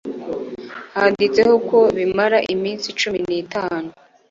Handitseho ko bimara iminsi cumi nitanu